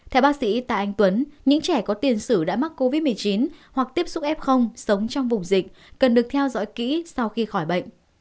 theo bác sĩ tạ anh tuấn những trẻ có tiền sử đã mắc covid một mươi chín hoặc tiếp xúc f sống trong vùng dịch cần được theo dõi kỹ sau khi khỏi bệnh